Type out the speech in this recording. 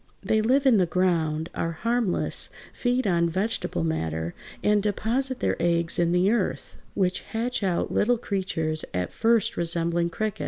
They live in the ground, are harmless, feed on vegetable matter, and deposit their eggs in the earth, which hatch out little creatures at first resembling crickets.